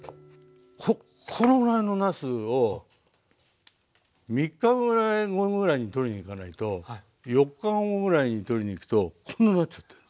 このぐらいのなすを３日後ぐらいにとりに行かないと４日後ぐらいにとりに行くとこんなんなっちゃってんです。